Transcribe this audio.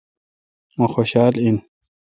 مہ خوشال این۔